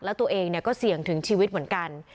แล้วตัวเองก็เสี่ยงถึงชีวิตเหมือนกัน